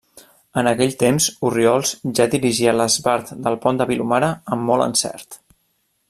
En aquell temps Orriols ja dirigia l'Esbart del Pont de Vilomara amb molt encert.